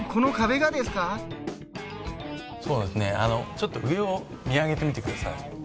ちょっと上を見上げてみてください。